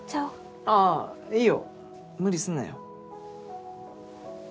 あぁいいよ無理すんなよ。